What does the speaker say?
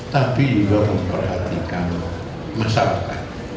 tapi juga memperhatikan masyarakat